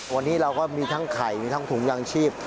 วันนี้เราก็มีทั้งไข่มีทั้งถุงยางชีพ